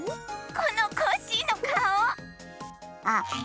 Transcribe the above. このコッシーのかお！あっ。